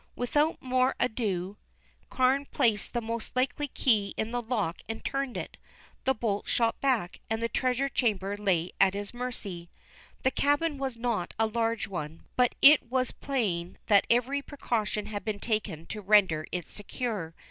Without more ado, Carne placed the most likely key in the lock and turned it. The bolt shot back, and the treasure chamber lay at his mercy. The cabin was not a large one, but it was plain that every precaution had been taken to render it secure.